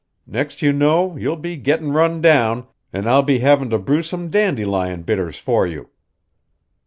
Next you know you'll be gettin' run down, an' I'll be havin' to brew some dandelion bitters for you."